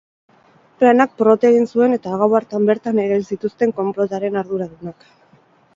Planak porrot egin zuen eta gau hartan bertan erail zituzten konplotaren arduradunak.